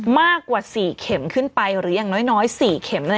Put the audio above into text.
มากกว่า๔เข็มขึ้นไปหรืออย่างน้อย๔เข็ม